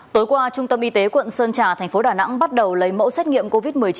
tối qua trung tâm y tế quận sơn trà thành phố đà nẵng bắt đầu lấy mẫu xét nghiệm covid một mươi chín